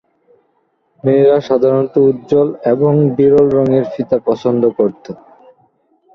মেয়েরা সাধারণত উজ্জ্বল এবং বিরল রঙের ফিতা পছন্দ করত।